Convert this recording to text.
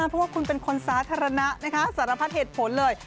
เพราะว่าคุณเป็นคนสาธารณะนะคะสารพัดเหตุผลเลย